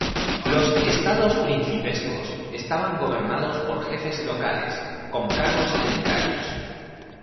Los "estados principescos" estaban gobernados por jefes locales, con cargos hereditarios.